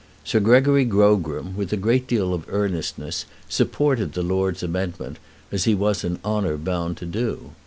Sir Gregory Grogram, with a great deal of earnestness, supported the Lords' amendment, as he was in honour bound to do.